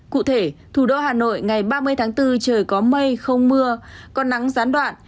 cụ thể thủ đô hà nội ngày ba mươi tháng bốn trời có mây không mưa còn nắng gián đoạn